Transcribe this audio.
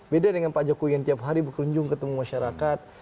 beda dengan pak jokowi yang tiap hari berkunjung ketemu masyarakat